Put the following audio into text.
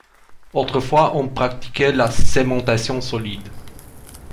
Autrefois, on pratiquait la cémentation solide.